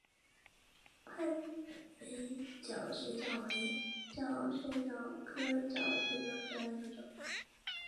宽尾角水蚤为角水蚤科角水蚤属下的一个种。